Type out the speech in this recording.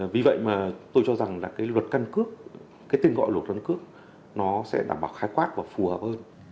vì vậy mà tôi cho rằng là cái luật căn cước cái tên gọi luật căn cước nó sẽ đảm bảo khai quát và phù hợp hơn